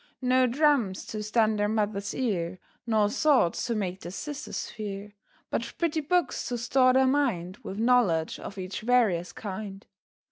No drums to stun their Mother's ear, Nor swords to make their sisters fear; But pretty books to store their mind With knowledge of each various kind.